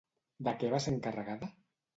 De què va ser encarregada?